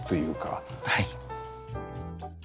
はい。